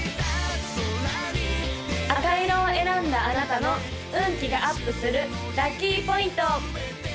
赤色を選んだあなたの運気がアップするラッキーポイント！